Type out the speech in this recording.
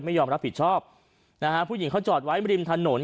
ไม่ยอมรับผิดชอบนะฮะผู้หญิงเขาจอดไว้ริมถนน